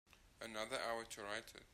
Another hour to write it.